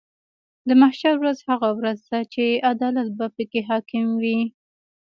د محشر ورځ هغه ورځ ده چې عدالت به پکې حاکم وي .